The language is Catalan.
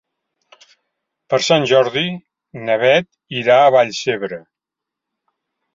Per Sant Jordi na Beth irà a Vallcebre.